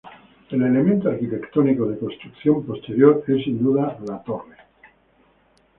El elemento arquitectónico de construcción posterior es sin duda la torre.